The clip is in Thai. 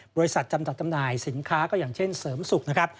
บริษัทจำจัดจำหน่ายสินค้าก็อย่างเช่นเสริมสุขนะครับ